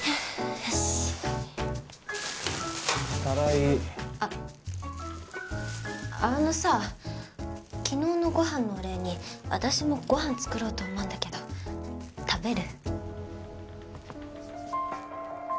よしただいあっあのさ昨日のごはんのお礼に私もごはん作ろうと思うんだけど食べる？